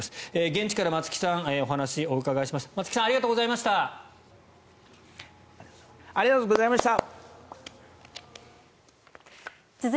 現地から松木さんにお話をお伺いしました。